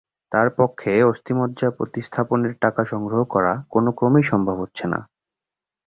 তাঁর পক্ষে অস্থিমজ্জা প্রতিস্থাপনের টাকা সংগ্রহ করা কোনোক্রমেই সম্ভব হচ্ছে না।